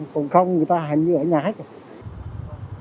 còn không người ta hình như ở nhà hết rồi